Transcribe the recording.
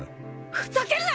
ふざけるな！